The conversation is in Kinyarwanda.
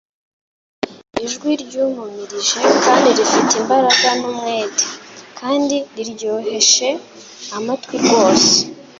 ijwi ryumumirije kandi rifite imbaraga n'umwete, kandi riryohcye amatwi rwose.